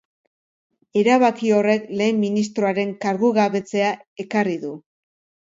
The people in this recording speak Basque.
Erabaki horrek lehen ministroaren kargugabetzea ekarri du.